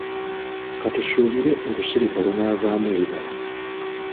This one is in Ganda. Ka tusuubire olusirika lunaavaamu ebibala.